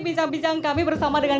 bincang bincang kami bersama dengan